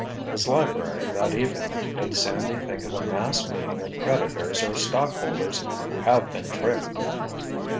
His library, that evening, made Sandy think of a "mass meeting of creditors or stockholders who have been tricked."